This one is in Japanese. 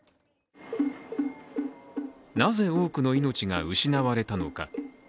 なぜ多くの命が失われたのか。